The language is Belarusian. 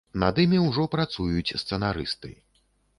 Над імі ўжо працуюць сцэнарысты.